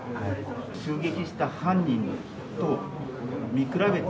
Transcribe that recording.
襲撃した犯人と見比べて？